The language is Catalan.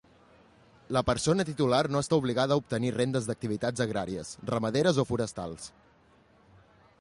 La persona titular no està obligada a obtenir rendes d'activitats agràries, ramaderes o forestals.